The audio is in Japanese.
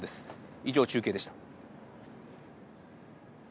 以上、中継でした。